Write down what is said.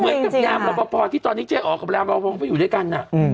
แบบราบราบราบพอร์ที่ตอนนี้เจ๊ออกับราบราบราบพอร์มันไปอยู่ด้วยกันน่ะ